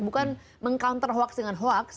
bukan meng counter hoaks dengan hoaks